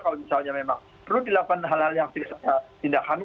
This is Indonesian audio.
kalau misalnya memang perlu dilakukan hal hal yang tindakan